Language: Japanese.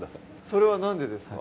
それはなんでですか？